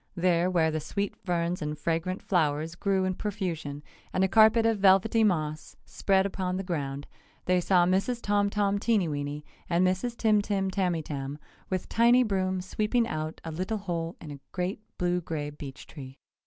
There, where the sweet ferns and fragrant flowers grew in profusion and a carpet of velvety moss spread upon the ground, they saw Mrs. Tom Tom Teenyweeny and Mrs. Tim Tim Tamytam with tiny brooms sweeping out a little hole in a great blue gray beech tree.